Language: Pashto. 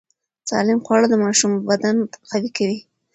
سالم خواړه د ماشوم بدن قوي کوي۔